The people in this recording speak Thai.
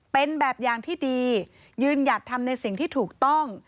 เป็นแบบอย่างที่ดียืนหยัดทำในสิ่งที่ถูกต้อง